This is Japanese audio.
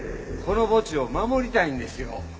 この墓地を守りたいんですよ。